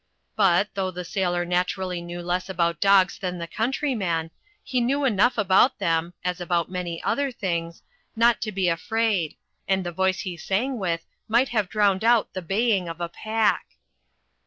But, though the sailor naturally knew less about dogs than the countr3mian, he knew enough about them (as about many other things) not to be afraid, and the voice he sang with might have drowned the baying of a pack.